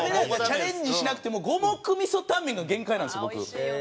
チャレンジしなくても五目味噌タンメンが限界なんですよ